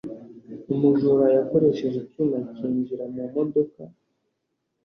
Umujura yakoresheje icyuma cyinjira mu modoka.